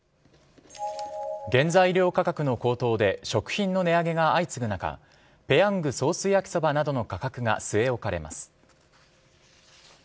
原材料価格の高騰で食品の値上げが相次ぐ中ペヤングソースやきそばなどの価格が据え置かれます。